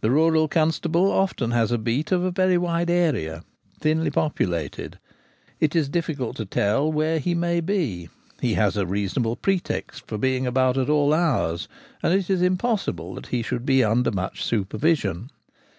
The rural constable often has a beat of very wide area, thinly populated : it is difficult to tell where he may be ; he has a reasonable pretext for being about at all hours, and it is impossible that he should be under much supervision.